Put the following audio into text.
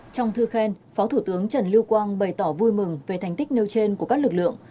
trong thư khen phó thủ tướng trần lưu quang bày tỏ vui mừng về thành tích nêu trên của các lực lượng